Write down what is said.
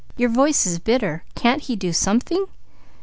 "Your voice is bitter. Can't he do something?"